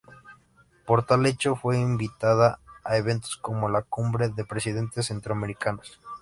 Por tal hecho fue invitada a eventos como la Cumbre de Presidentes Centroamericanos.